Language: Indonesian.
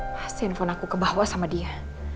pas handphone aku kebawa sama dia